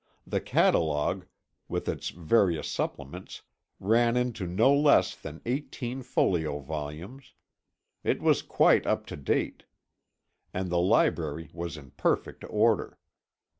The catalogue, with its various supplements, ran into no less than eighteen folio volumes. It was quite up to date, and the library was in perfect order.